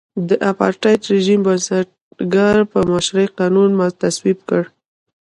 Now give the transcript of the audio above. د اپارټایډ رژیم بنسټګر په مشرۍ قانون تصویب کړ.